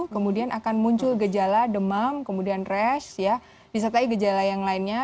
kemudian akan muncul gejala demam kemudian resh disertai gejala yang lainnya